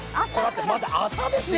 まだ朝ですよ。